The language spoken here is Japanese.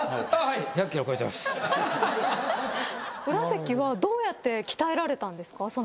宇良関はどうやって鍛えられたんですか？